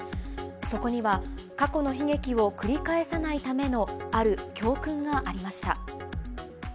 そこには、過去の悲劇を繰り返さないためのある教訓がありました。